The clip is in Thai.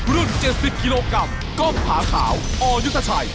รุ่น๗๐กิโลกรัมกล้องผาขาวอยุทธชัย